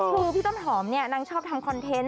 คือพี่ต้นหอมเนี่ยนางชอบทำคอนเทนต์